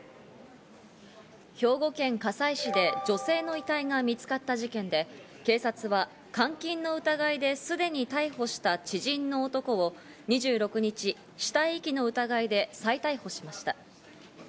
兵庫県加西市で女性の遺体が見つかった事件で、警察は監禁の疑いですでに逮捕した知人の男を２６日、死体遺棄の疑いで再逮捕しました。